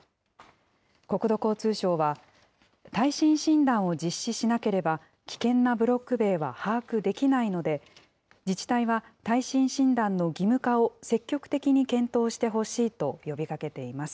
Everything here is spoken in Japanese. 国土交通省は、耐震診断を実施しなければ、危険なブロック塀は把握できないので、自治体は耐震診断の義務化を積極的に検討してほしいと呼びかけています。